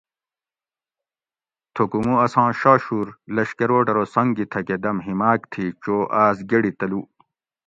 تھوکو مو اساں شاشور لشکروٹ ارو سنگ گی تھکہ دم ہیماک تھی چو آس گڑی تلو